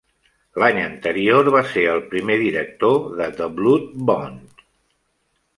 L'any anterior va ser el primer director de "The Blood Bond".